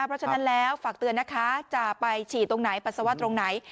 เพราะฉะนั้นแล้วฝากเตือนนะคะจะไปฉีดตรงไหนปัสสาวะตรงไหน